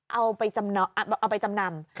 เอาไปจำนำ